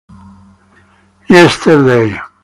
Yesterday.